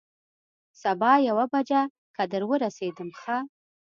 سبا یوه بجه که در ورسېدم، ښه.